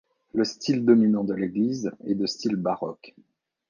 Le style dominant de l'église est de style baroque.